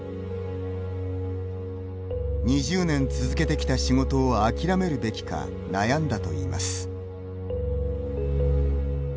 ２０年続けてきた仕事を諦めるべきか悩んだといいます。